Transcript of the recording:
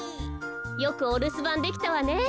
よくおるすばんできたわね。